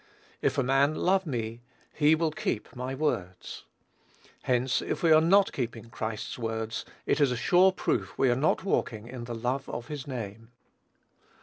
"If a man love me, he will keep my words." Hence, if we are not keeping Christ's words, it is a sure proof we are not walking in the love of his name.